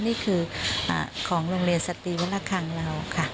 นี่คือของโรงเรียนสตรีวรคังเราค่ะ